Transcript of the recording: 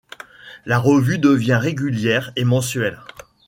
La revue devient régulière et mensuelle.